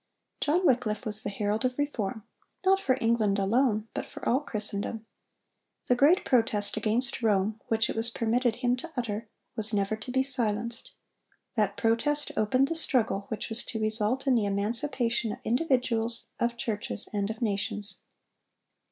John Wycliffe was the herald of reform, not for England alone, but for all Christendom. The great protest against Rome which it was permitted him to utter, was never to be silenced. That protest opened the struggle which was to result in the emancipation of individuals, of churches, and of nations.